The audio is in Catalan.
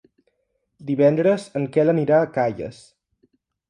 Divendres en Quel anirà a Calles.